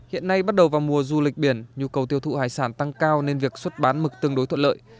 hiện nay bắt đầu vào mùa du lịch biển nhu cầu tiêu thụ hải sản tăng cao nên việc xuất bán mực tương đối thuận lợi